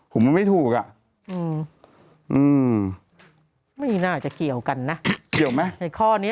ผมว่าไม่ถูกอ่ะอืมไม่น่าจะเกี่ยวกันนะเกี่ยวไหมในข้อนี้